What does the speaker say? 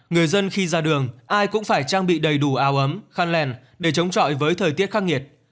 người dân khi ra đường ai cũng phải trang bị đầy đủ áo ấm khăn lèn để chống chọi với thời tiết khắc nghiệt